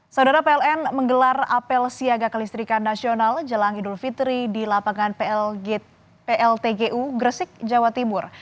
saudara pln menggelar apel siaga kelistrikan nasional jelang idul fitri di lapangan pltgu gresik jawa timur